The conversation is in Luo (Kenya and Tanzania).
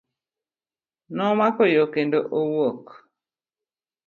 Nomako yoo kendo owuok.